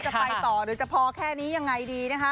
จะไปต่อหรือจะพอแค่นี้ยังไงดีนะคะ